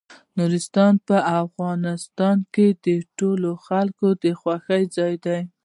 نورستان په افغانستان کې د ټولو خلکو د خوښې ځای دی.